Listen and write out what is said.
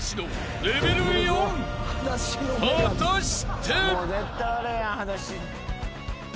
［果たして？］